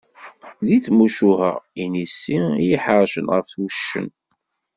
Deg tmucuha, inisi i iḥeṛcen ɣef uccen.